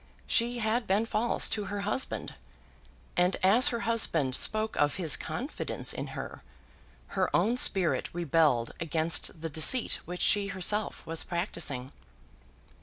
She had been false to her husband; and as her husband spoke of his confidence in her, her own spirit rebelled against the deceit which she herself was practising.